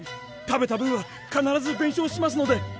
食べた分は必ず弁償しますので。